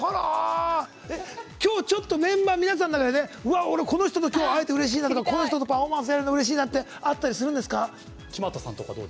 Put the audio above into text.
今日、ちょっとメンバーの皆さんの中でこの人と会えてうれしいなとかこの人とパフォーマンスやるのうれしいなってあるんですか？